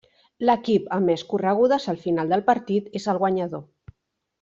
L'equip amb més corregudes al final del partit és el guanyador.